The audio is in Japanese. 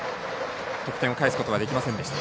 得点を返すことはできませんでした。